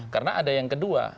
karena ada yang kedua